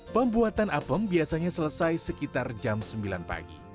pembuatan apem biasanya selesai sekitar jam sembilan pagi